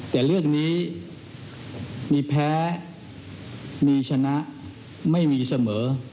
แต่เรื่องนี้มีแพ้มีชนะไม่มีเสมอ